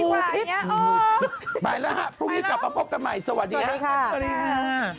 อ๋อหมูพิษอ๋อไปแล้วค่ะพรุ่งนี้กลับมาพบกันใหม่สวัสดีค่ะสวัสดีค่ะสวัสดีค่ะ